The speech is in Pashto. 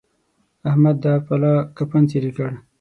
احمد دا پلا کفن څيرې کړ.